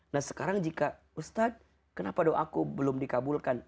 nah sekarang jika ustadz kenapa doaku belum dikabulkan